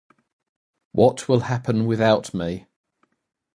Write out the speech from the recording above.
What will happen without me?